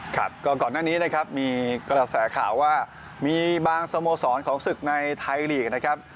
ครับก็ก่อนหน้านี้นะครับมีกระแสข่าวว่ามีบางสโมสรของศึกในไทยลีกนะครับ